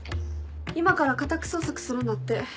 今から家宅捜索するんだって。